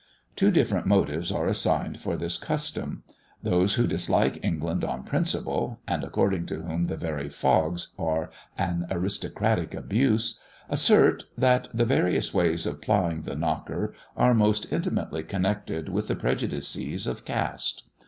Two different motives are assigned for this custom. Those who dislike England on principle, and according to whom the very fogs are an aristocratic abuse, assert that the various ways of plying the knocker are most intimately connected with the prejudices of caste.